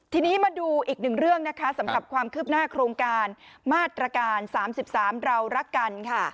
ทีนี้มาดูอีกหนึ่งเรื่องนะคะสำหรับความคืบหน้าโครงการมาตรการ๓๓เรารักกันค่ะ